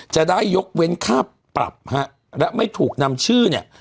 จะได้ยกเว้นค่าปรับฮะและไม่ถูกนำชื่อเนี่ย